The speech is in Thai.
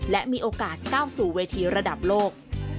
และมีโอกาสก้าวสู่เวทีระดับโลก